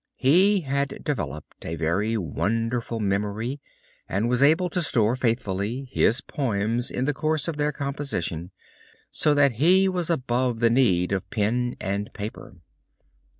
He had developed a very wonderful memory and was able to store faithfully his poems in the course of their composition so that he was above the need of pen and paper.